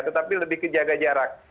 tetapi lebih ke jaga jarak